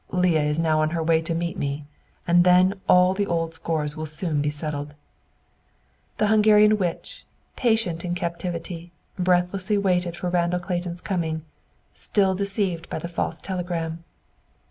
"Leah is now on her way to meet me! And then all the old scores will be soon settled!" The Hungarian witch, patient in captivity, breathlessly waited for Randall Clayton's coming, still deceived by the false telegram.